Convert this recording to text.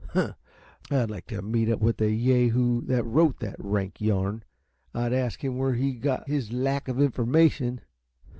"Huh! I'd like to meet up with the yahoo that wrote that rank yarn! I'd ask him where he got his lack of information.